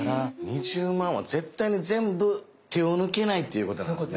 ２０万は絶対に全部手を抜けないっていうことなんですね。